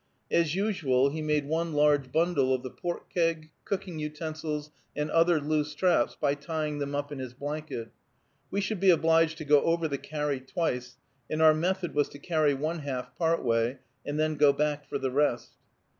As usual he made one large bundle of the pork keg, cooking utensils, and other loose traps, by tying them up in his blanket. We should be obliged to go over the carry twice, and our method was to carry one half part way, and then go back for the rest.